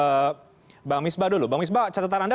mbak misbah dulu mbak misbah catatan anda